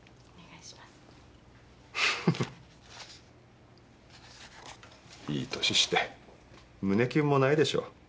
いい年して胸キュンもないでしょ。